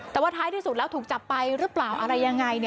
แต่ว่าท้ายที่สุดแล้วถูกจับไปหรือเปล่าอะไรยังไง